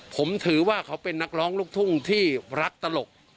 ผมถือว่าเขาเป็นนักร้องลูกทุ่งที่รักตลก